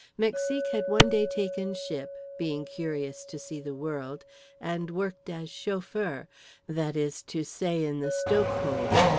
Mexique had one day taken ship (being curious to see the world) and worked as chauffeur—that is to say in the stoke hole.